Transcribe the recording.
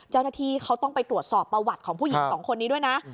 เจ้าหน้าที่เขาต้องไปตรวจสอบประวัติของผู้หญิงสองคนนี้ด้วยนะ